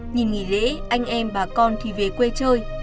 nhìn nghỉ lễ anh em bà con thì về quê chơi